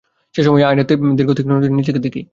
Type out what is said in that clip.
সেসময়-ই আয়নায় দীর্ঘ, তীক্ষ্ণ নজরে নিজেকে দেখি।